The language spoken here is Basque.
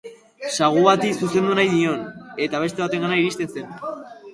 Sagu bati zuzendu nahi nion, eta beste batengana iristen zen.